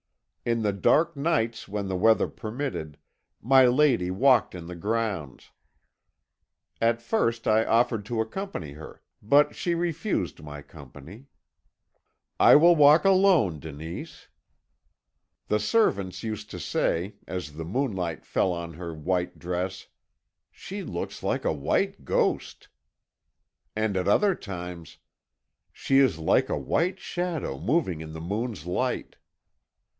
"In the dark nights when the weather permitted, my lady walked in the grounds. At first I offered to accompany her, but she refused my company. "'I will walk alone, Denise.' "The servants used to say, as the moonlight fell on her white dress: "'She looks like a white ghost.' "And at other times: "'She is like a white shadow moving in the moon's light.'